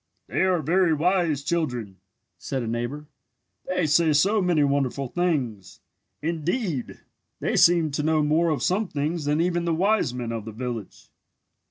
"They are very wise children!" said a neighbour. "They say so many wonderful things. Indeed, they seem to know more of some things than even the wise men of the village!"